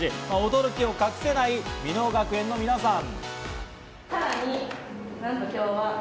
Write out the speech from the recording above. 驚きを隠せない箕面学園の皆さん。